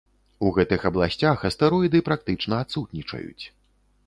У гэтых абласцях астэроіды практычна адсутнічаюць.